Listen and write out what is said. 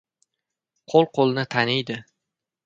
• Qo‘l qo‘lni taniydi.